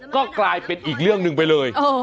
ก็กลายเป็นอีกเรื่องหนึ่งไปเลย